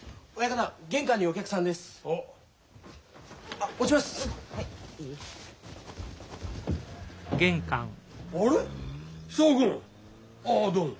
ああどうも。